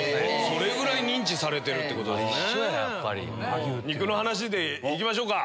それぐらい認知されてるってことですね。